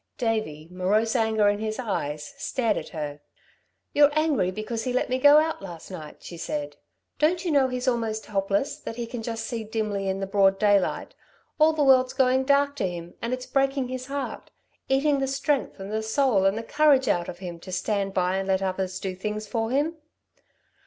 Davey, morose anger in his eyes, stared at her. "You're angry because he let me go out last night," she said. "Don't you know he's almost helpless, that he can just see dimly in the broad daylight. All the world's going dark to him, and it's breaking his heart eating the strength and the soul and the courage out of him, to stand by and let others do things for him."